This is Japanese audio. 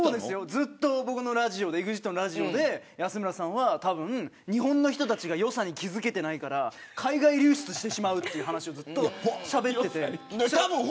ずっとＥＸＩＴのラジオで安村さんは、たぶん日本の人たちが良さに気付けてないから海外流出してしまうという話をずっとしゃべっていて。